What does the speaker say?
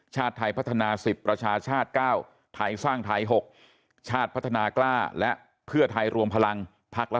ชาติไทยพัฒนา๑๐ประชาชาติ๙ไทยสร้างไทย๖ชาติพัฒนากล้าและเพื่อไทยรวมพลังพักละ